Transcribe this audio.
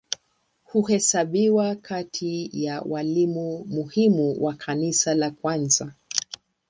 Huhesabiwa kati ya walimu muhimu wa Kanisa la kwanza.